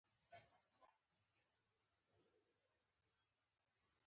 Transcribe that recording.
احمدشاه بابا د تاریخ یو ژوندی باب دی.